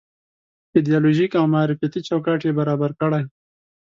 ایدیالوژيک او معرفتي چوکاټ یې برابر کړی.